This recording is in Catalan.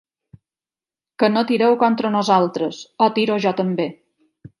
Que no tireu contra nosaltres, o tiro jo també!